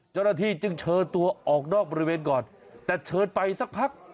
เจ้าหน้าที่จึงเชิญตัวออกนอกบริเวณก่อนแต่เชิญไปสักพัก